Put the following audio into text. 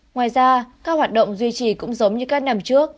ngoài ra các hoạt động duy trì cũng giống như các năm trước